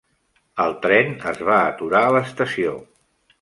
El tren es va aturar a l'estació.